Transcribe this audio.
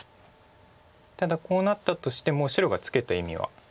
ただこうなったとしても白がツケた意味はありまして。